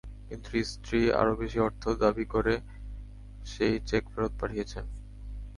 কিন্তু স্ত্রী আরও বেশি অর্থ দাবি করে সেই চেক ফেরত পাঠিয়েছেন।